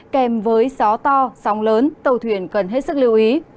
kèm với gió to sóng lớn tàu thuyền cần hết sức lưu ý